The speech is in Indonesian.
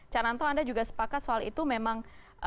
cananto anda juga sepakat soal itu memang